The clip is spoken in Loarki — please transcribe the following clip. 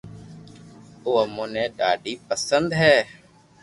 او امو ني ڌادي پسند ھي